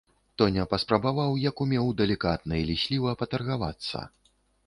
Тоня паспрабаваў як умеў далікатна і лісліва патаргавацца.